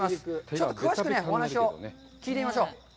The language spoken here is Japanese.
ちょっと詳しくお話を聞いてみましょう。